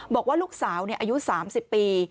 บอกว่าลูกสาวอายุ๓๐ปี